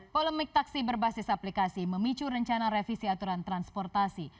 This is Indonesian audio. polemik taksi berbasis aplikasi memicu rencana revisi aturan transportasi